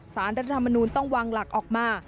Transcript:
รัฐธรรมนูลต้องวางหลักออกมา